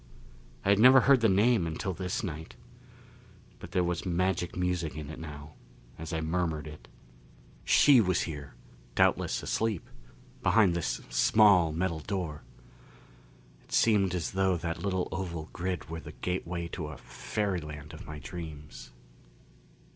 I had never heard the name until this night. But there was magic music in it now, as I murmured it. She was here, doubtless asleep, behind this small metal door. It seemed as though that little oval grid were the gateway to a fairyland of my dreams.